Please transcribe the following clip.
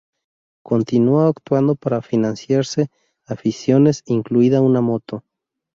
Continuó actuando para financiarse aficiones, incluida una moto.